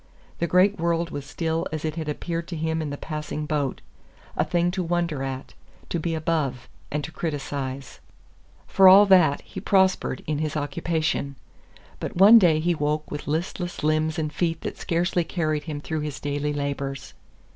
The great world was still as it had appeared to him in the passing boat a thing to wonder at to be above and to criticize. For all that, he prospered in his occupation. But one day he woke with listless limbs and feet that scarcely carried him through his daily labors.